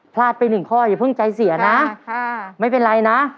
พลาดไปหนึ่งข้ออย่าเพิ่งใจเสียนะไม่เป็นไรนะ